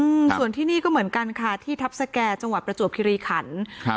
อืมส่วนที่นี่ก็เหมือนกันค่ะที่ทัพสแก่จังหวัดประจวบคิริขันครับ